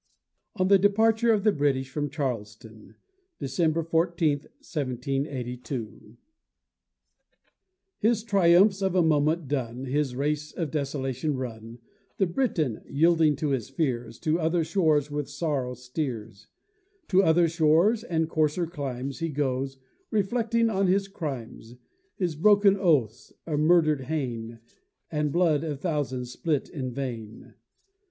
ON THE DEPARTURE OF THE BRITISH FROM CHARLESTON [December 14, 1782] His triumphs of a moment done; His race of desolation run, The Briton, yielding to his fears, To other shores with sorrow steers: To other shores and coarser climes He goes, reflecting on his crimes, His broken oaths, a murder'd Hayne, And blood of thousands, spilt in vain.